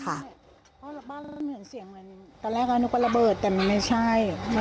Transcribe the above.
เพราะบ้านมันเหมือนเสียงตอนแรกก็นึกว่าระเบิดแต่มันไม่ใช่